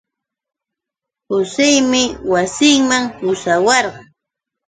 Joseemi wasinman pushawasqa.